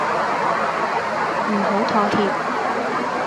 唔好妥協